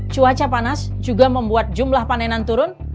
cuaca panas juga membuat jumlah panenan turun